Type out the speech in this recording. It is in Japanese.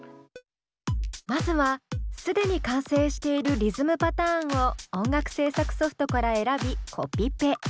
まずは既に完成しているリズムパターンを音楽制作ソフトから選びコピペ。